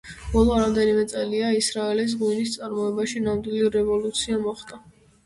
ბოლო რამდენიმე წელია ისრაელის ღვინის წარმოებაში ნამდვილი რევოლუცია მოხდა.